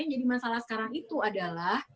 jadi masalah sekarang itu adalah